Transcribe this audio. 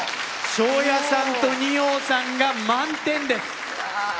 昇也さんと二葉さんが満点です。